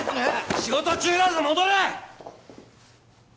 仕事中だぞ戻れ！